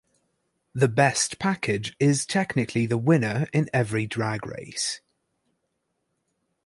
The best package is technically the winner in every drag race.